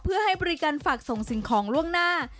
เพื่อให้บริการฝากส่งสิ่งของล่วงหน้า